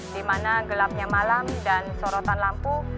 dimana gelapnya malam dan sorotan lampu